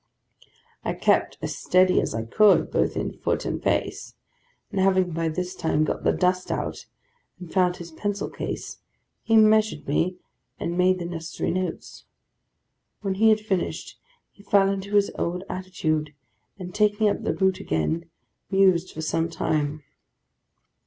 I kept as steady as I could, both in foot and face; and having by this time got the dust out, and found his pencil case, he measured me, and made the necessary notes. When he had finished, he fell into his old attitude, and taking up the boot again, mused for some time.